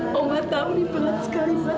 mama tahu ini pelan sekali mama